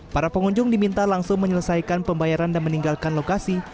para pengunjung diminta langsung menyelesaikan pembayaran dan meninggalkan lokasi